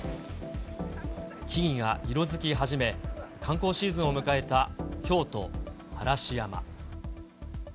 木々が色づき始め、観光シーズンを迎えた京都・嵐山。